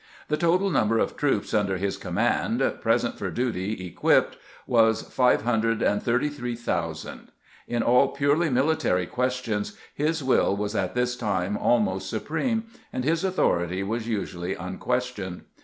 The total number of troops under his command, " present for duty, equipped," was geant's enohmous responsibility 31 533,000. In all purely military questions his wiU was at tMs time almost supreme, and his authority was usually unquestioned.